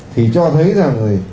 thì cho thấy rằng